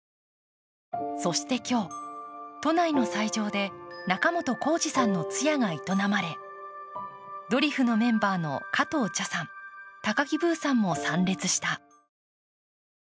そして今日、都内の斎場で仲本工事さんの通夜が営まれ、ドリフのメンバーの加藤茶さん、高木ブーさんも参列した。